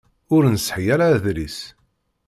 Ur nesεi ara adlis.